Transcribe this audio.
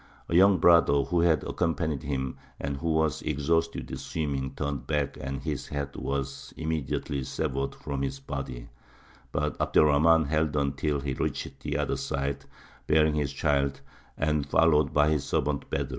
A young brother, who had accompanied him, and who was exhausted with swimming, turned back and his head was immediately severed from his body; but Abd er Rahmān held on till he reached the other side, bearing his child, and followed by his servant Bedr.